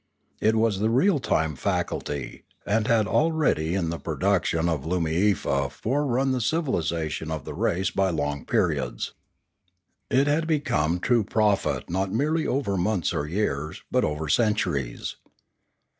It was the real time faculty, and had already in the produc tions of Loomiefa forerun the civilisation of the race by long periods. It had become true prophet not merely over months or years, but over centuries.